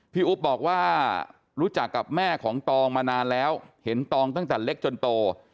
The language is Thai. อุ๊บบอกว่ารู้จักกับแม่ของตองมานานแล้วเห็นตองตั้งแต่เล็กจนโต